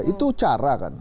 itu cara kan